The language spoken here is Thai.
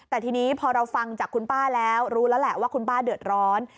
แต่ทีนี้พอเราฟังจากคุณป้าแล้วรู้แล้วแหละว่าคุณป้าเดือดร้อน